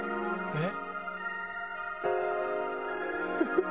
えっ？